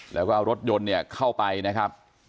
แล้วก็เอารถยนต์เนี่ยเข้าไปนะครับ